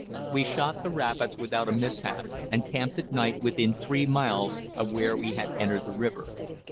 We shot the rapids without a mishap, and camped at night within three miles of where we had entered the river.